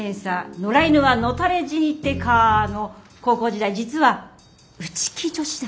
『野良犬は野垂れ死にってか？』の高校時代実は内気女子だった」。